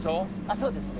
そうですね。